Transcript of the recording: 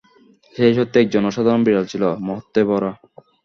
সে সত্যিই একজন অসাধারণ বিড়াল ছিল, মহত্ত্বে ভরা।